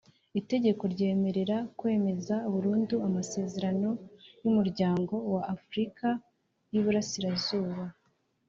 Itegeko ryemerera kwemeza burundu amasezerano y umuryango wa afurika y iburasirazuba